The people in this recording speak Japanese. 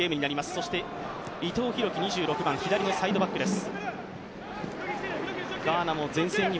そして伊藤洋輝、２６番、左のサイドバックです。